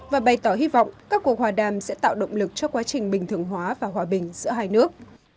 và bày tỏ hy vọng các cuộc hòa đàm sẽ tạo động lực cho quá trình bình thường hóa và hòa bình giữa hai nước